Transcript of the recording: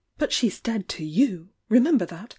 "But she's dead to you! Remember that!